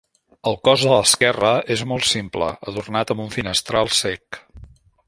El cos de l'esquerra és molt simple, adornat amb un finestral cec.